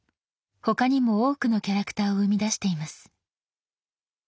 他にも多くのキャラクターを生み出しています。